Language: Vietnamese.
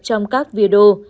trong các video